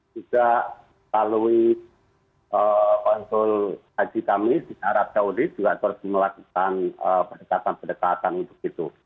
juga melalui kontrol haji kami di arab saudi juga terus melakukan pendekatan pendekatan begitu